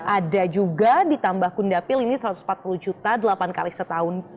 ada juga ditambah kundapil ini satu ratus empat puluh juta delapan kali setahun